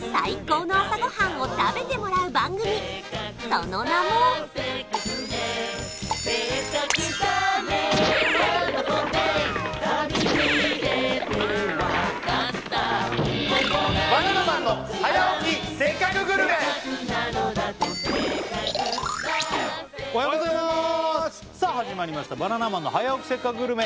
その名もおはようございますさあ始まりました「バナナマンの早起きせっかくグルメ！！」